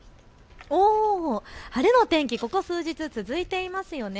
晴れの天気、ここ数日続いていますよね。